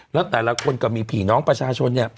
แล้วแต่ละคนก็มีผีน้องประชาชนเนี่ย